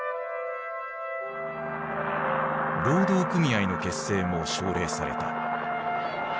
労働組合の結成も奨励された。